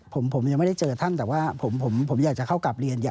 ผมยังไม่ได้เจอท่านแต่ว่าผมอยากจะเข้ากลับเรียนเยอะ